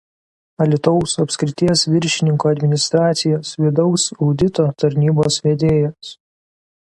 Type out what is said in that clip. Alytaus apskrities viršininko administracijos Vidaus audito tarnybos vedėjas.